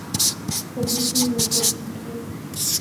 خو مزي مې ورپورې ونه تړل.